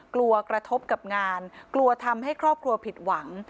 กระทบกับงานกลัวทำให้ครอบครัวผิดหวัง